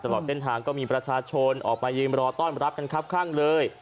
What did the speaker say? ตลอดเส้นทางก็มีประชาชนออกไปยืนรอต้อนรับกันครับข้างเลย